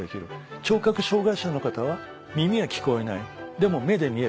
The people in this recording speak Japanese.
聴覚障がい者の方は耳が聞こえないでも目で見える。